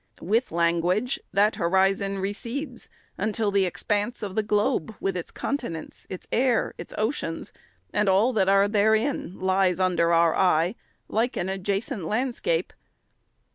With language, that horizon recedes until the expanse of the globe, with its continents, its air, its oceans, and all that are therein, lies under our eye, like an adja cent landscape.